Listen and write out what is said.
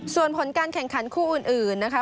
ส่วนผลการแข่งขันคู่อื่นนะคะ